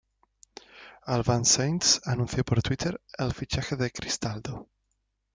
Albans Saints anunció por Twitter el fichaje de Cristaldo.